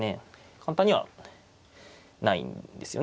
簡単にはないんですよね。